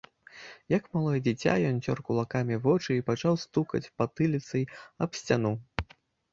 Як малое дзіця, ён цёр кулакамі вочы і пачаў стукаць патыліцай аб сцяну.